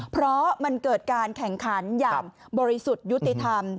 เพราะมันเกิดการแข่งขันอย่างบริสุทธิ์ยุติธรรม